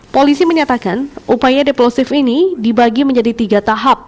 polisi menyatakan upaya deplosif ini dibagi menjadi tiga tahap